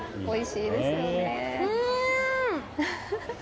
うん！